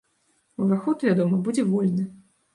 Уваход, вядома, будзе вольны.